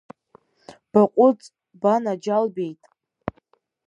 Баҟәыҵ, банаџьалбеит.